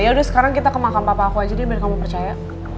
yaudah sekarang kita ke makam papa aku aja deh biar kamu percaya